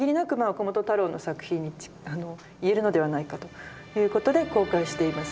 岡本太郎の作品いえるのではないかということで公開しています。